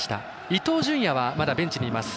伊東純也はまだベンチにいます。